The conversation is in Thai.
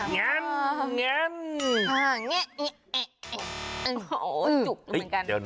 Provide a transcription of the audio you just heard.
จุดเหมือนกัน